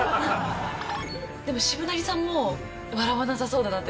でもしぶなぎさんも笑わなさそうだなって。